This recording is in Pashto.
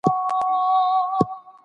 په ژبنۍ برخه کې د کلمو کارول خورا مهم دي.